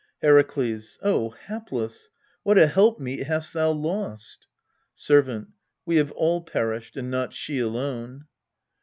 Herakles. O hapless ! what a helpmeet hast thou lost ! Servant. We have all perished, and not she alone.